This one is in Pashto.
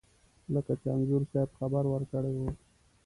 لکه چې انځور صاحب خبر ورکړی و.